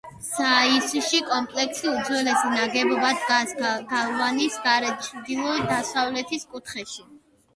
ცაიშის კომპლექსის უძველესი ნაგებობა დგას გალავნის გარეთ ჩრდილო-დასავლეთის კუთხეში.